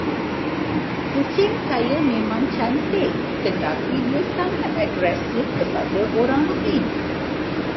Kucing saya memang cantik tertapi dia sangat agresif kepada orang lain.